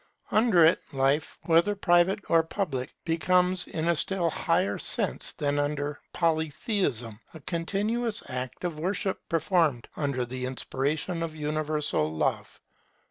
Under it, Life, whether private or public, becomes in a still higher sense than under Polytheism, a continuous act of worship performed under the inspiration of universal Love.